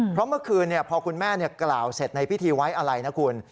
เพราะเมื่อคืนพอคุณแม่กล่าวเสร็จในพิธีไว้อะไรนะคุณ